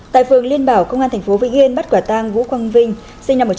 tại phường liên bảo công an tp vĩnh yên bắt quả tang vũ quang vinh sinh năm một nghìn chín trăm tám mươi